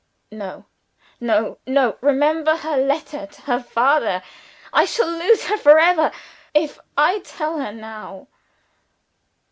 _" "No! no! no! Remember her letter to her father. I shall lose her for ever, if I tell her now!"